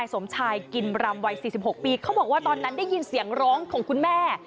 สมชายกินรำวัย๔๖ปีเขาบอกว่าตอนนั้นได้ยินเสียงร้องของคุณแม่